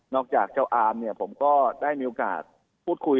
จากเจ้าอามเนี่ยผมก็ได้มีโอกาสพูดคุย